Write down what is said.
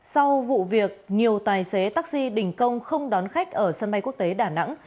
sau vụ việc nhiều tài xế taxi đình công không đón khách ở sân bay quốc tế đà nẵng